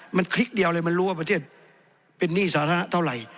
มันคลิกเดียวเลยมันรู้ว่าประเทศเป็นหนี้สาธารณะเท่าไหร่